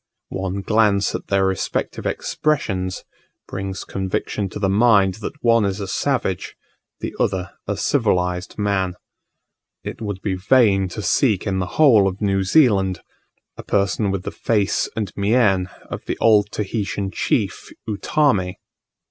One glance at their respective expressions, brings conviction to the mind that one is a savage, the other a civilized man. It would be vain to seek in the whole of New Zealand a person with the face and mien of the old Tahitian chief Utamme.